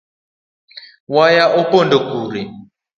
Waya opondo kure?